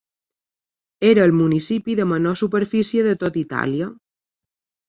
Era el municipi de menor superfície de tot Itàlia.